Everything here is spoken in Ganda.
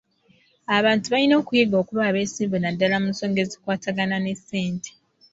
Abantu balina okuyiga okuba abeesimbu naddaala mu nsonga ezikwatagana ne ssente.